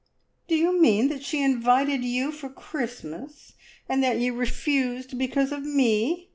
"Do you mean that she invited you for Christmas, and that you refused because of me?